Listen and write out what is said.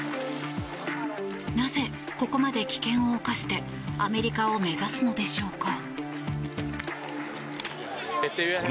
なぜ、ここまで危険を冒してアメリカを目指すのでしょうか。